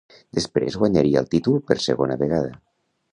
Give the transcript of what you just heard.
Després guanyaria el títol per segona vegada.